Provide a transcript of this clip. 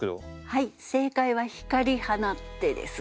はい正解は「光放つて」です。